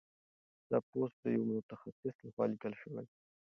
دا پوسټ د یو متخصص لخوا لیکل شوی دی.